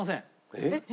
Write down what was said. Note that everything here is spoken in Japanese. えっ？